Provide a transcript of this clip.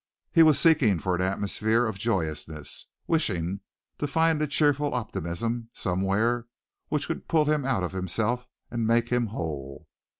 He was seeking for an atmosphere of joyousness, wishing to find a cheerful optimism somewhere which would pull him out of himself and make him whole.